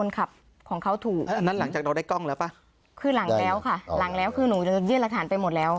คือหลังแล้วค่ะหลังแล้วคือหนูยื่นรักฐานไปหมดแล้ว